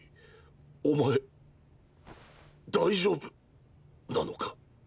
おまえ大丈夫なのか。